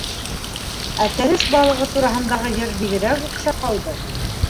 Ә тәрәс балығы тураһындағы йыр бигерәк оҡшап ҡалды!